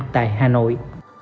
tại hà nội